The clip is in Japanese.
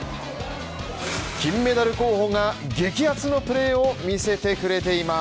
金メダル候補が激アツのプレーを見せてくれています